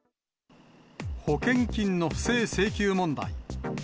保険金の不正請求問題。